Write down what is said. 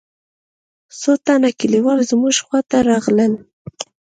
څو تنه كليوال زموږ خوا ته راغلل.